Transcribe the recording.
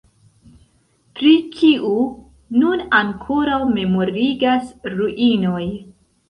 Pri kiu nun ankoraŭ memorigas ruinoj.